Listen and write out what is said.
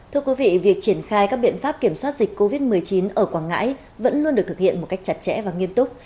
thưa quý vị việc triển khai các biện pháp kiểm soát dịch covid một mươi chín ở quảng ngãi vẫn luôn được thực hiện một cách chặt chẽ và nghiêm túc